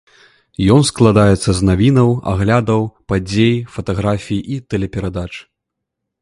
Ён складаецца з навінаў, аглядаў падзей, фатаграфій і тэлеперадач.